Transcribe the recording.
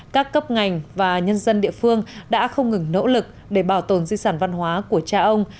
các cấp ngành và nhân dân địa phương đã không ngừng nỗ lực để bảo tồn di sản văn hóa của cha ông